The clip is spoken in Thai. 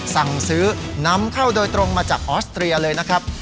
สั่งซื้อนำเข้าโดยตรงมาจากออสเตรียเลยนะครับ